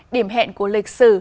điểm hẹn của lịch sử